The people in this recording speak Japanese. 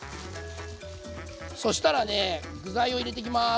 そしたらね具材を入れていきます。